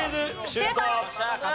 シュート！